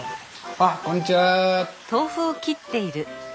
あっこんにちは。